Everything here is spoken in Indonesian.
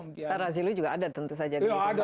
tarazilu juga ada tentu saja